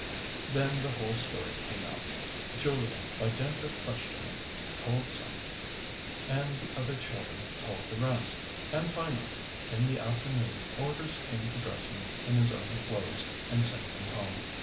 Then the whole story came out. Julia, by dint of questioning, told some, and the other children told the rest; and finally, in the afternoon, orders came to dress him in his own clothes, and send him home.